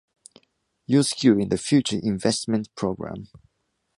You’re skewing the future investment program.